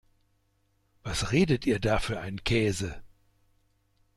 Was redet ihr da für einen Käse?